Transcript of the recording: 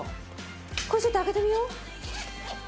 これちょっと開けてみよう。